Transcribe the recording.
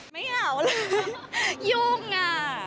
ไม่เอาเลยยุ่งอ่ะ